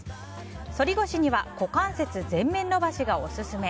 反り腰には股関節前面伸ばしがオススメ。